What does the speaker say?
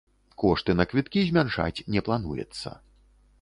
Кошты на квіткі змяншаць не плануецца.